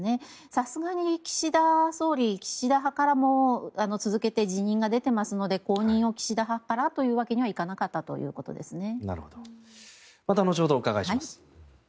さすがに岸田派からも続けて辞任が出ていますので後任を岸田派からというわけにはいかなかったということですね。